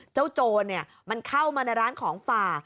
เจ้าโจรเนี่ยมันเข้ามาในร้านของฝ่า